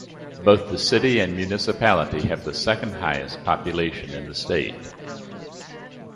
Both the city and municipality have the second-highest population in the state.